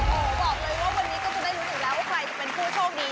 โอ้โหบอกเลยว่าวันนี้ก็จะได้รู้อยู่แล้วว่าใครจะเป็นผู้โชคดี